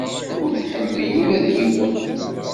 Ur tḥemmel ula d yiwen.